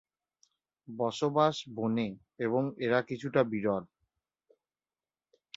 বসবাস বনে এবং এরা কিছুটা বিরল।